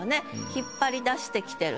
引っ張り出してきてるって。